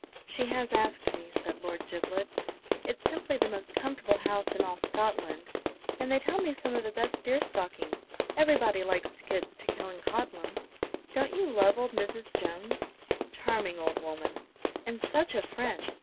"She has asked me," said Lord Giblet. "It's simply the most comfortable house in all Scotland, and they tell me some of the best deer stalking. Everybody likes to get to Killancodlem. Don't you love old Mrs. Jones?" "Charming old woman!" "And such a friend!